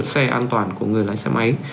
xe an toàn của người lái xe máy